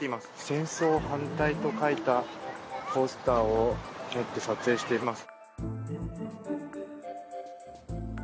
戦争反対と書いたポスターを持って撮影しています。